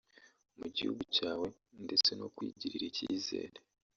mu gihugu cyawe ndetse no kwigirira icyizere